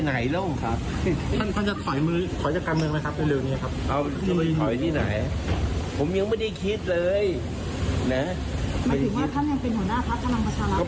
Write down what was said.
ท่านครับแล้วใครข่าวที่ตอบว่าจะไปยุบเขาครับ